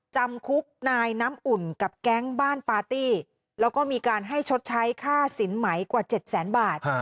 จำคุกนายน้ำอุ่นกับแก๊งบ้านปาร์ตี้แล้วก็มีการให้ชดใช้ค่าสินไหมกว่า๗แสนบาท